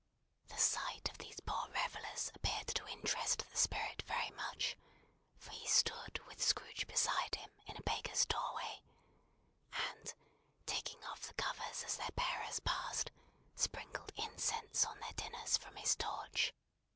The sight of these poor revellers appeared to interest the Spirit very much, for he stood with Scrooge beside him in a baker's doorway, and taking off the covers as their bearers passed, sprinkled incense on their dinners from his torch.